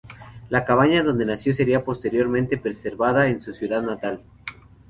La cabaña donde nació sería posteriormente preservada en su ciudad natal.